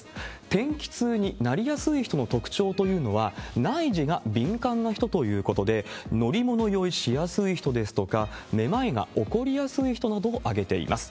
天気痛になりやすい人の特徴というのは、内耳が敏感な人ということで、乗り物酔いしやすい人ですとか、めまいが起こりやすい人などを挙げています。